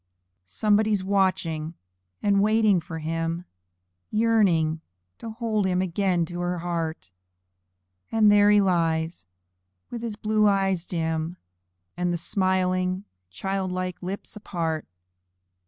Somebody's watching and waiting for him, Yearning to hold him again to her heart; And there he lies with his blue eyes dim, And the smiling child like lips apart.